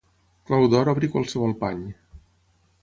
Clau d'or obre qualsevol pany.